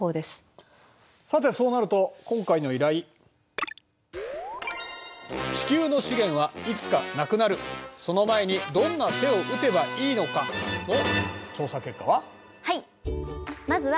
さてそうなると今回の依頼「地球の資源はいつかなくなるその前にどんな手を打てばいいのか？」の調査結果は？